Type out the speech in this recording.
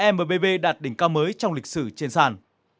mbb đạt đỉnh cao mới trong lịch sử trên sàn